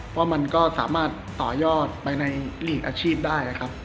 เพราะมันก็สามารถต่อยอดไปในหลีกอาชีพได้ครับ